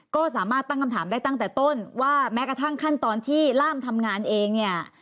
ก็สามารถตั้งคำถามได้ตั้งแต่ต้นว่าแม้กระทั่งขั้นตอนที่ล่ามทำงานเองเนี่ย